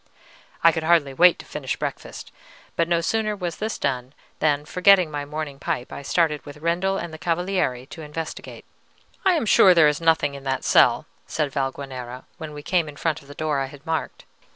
I could hardly wait to finish breakfast; but no sooner was this done than, forgetting my morning pipe, I started with Rendel and the Cavaliere to investigate. "I am sure there is nothing in that cell," said Valguanera, when we came in front of the door I had marked.